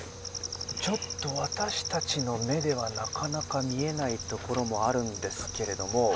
ちょっと私たちの目ではなかなか見えないところもあるんですけれども。